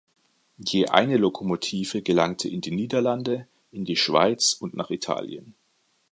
Je eine Lokomotive gelangte in die Niederlande, in die Schweiz und nach Italien.